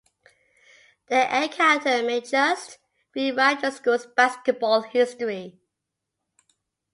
Their encounter may just rewrite the school's basketball history.